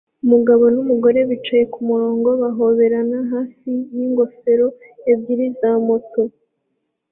Umugabo numugore bicaye kumurongo bahoberana hafi yingofero ebyiri za moto